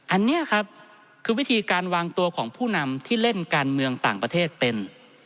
อันนี้ครับคือวิธีการวางตัวของผู้นำที่เล่นการเมืองต่างประเทศเป็น